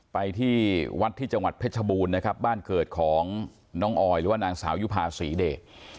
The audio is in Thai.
ไปที่วัดที่จังหวัดเพชรบูรณ์นะครับบ้านเกิดของน้องออยหรือว่านางสาวยุภาษีเดช